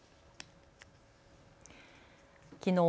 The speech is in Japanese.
きのう